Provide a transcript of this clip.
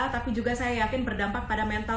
tapi juga saya yakin berdampak pada mental